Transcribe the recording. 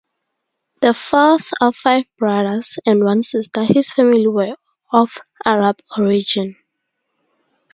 The fourth of five brothers and one sister, his family were of Arab origin.